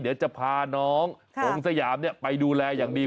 เดี๋ยวจะพาน้องพงสยามไปดูแลอย่างดี